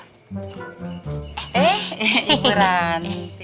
eh ibu ranti